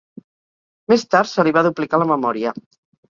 Més tard se li va duplicar la memòria.